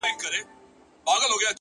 اوس خو پوره تر دوو بـجــو ويــښ يـــم؛